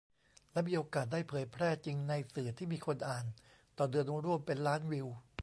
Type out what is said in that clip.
และมีโอกาสได้เผยแพร่จริงในสื่อที่มีคนอ่านต่อเดือนรวมเป็นล้านวิว